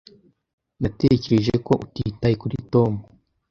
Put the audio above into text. Natekereje ko utitaye kuri Tom.